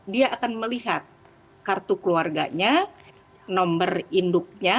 dia akan melihat kartu keluarganya nomor induknya